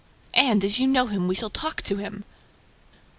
... And, as you know him, we shall talk to him!"